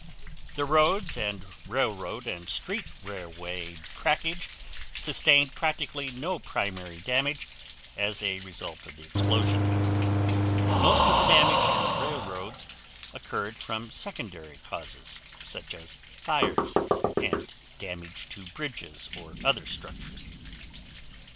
The roads, and railroad and street railway trackage sustained practically no primary damage as a result of the explosion. Most of the damage to railroads occurred from secondary causes, such as fires and damage to bridges or other structures.